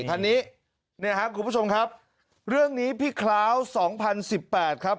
คันนี้เนี่ยครับคุณผู้ชมครับเรื่องนี้พี่คล้าว๒๐๑๘ครับ